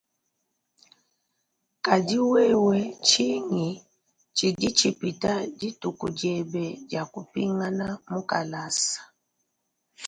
Kadi wewe tshingi tshidi tshipita dithuku diebe di kupingana mukalasa?